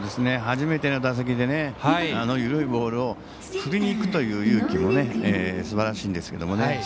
初めての打席で緩いボールを振りにいくという勇気もすばらしいんですけどもね